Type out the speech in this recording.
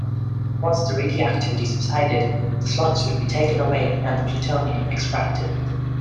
Once the radioactivity subsided, the slugs would be taken away and the plutonium extracted.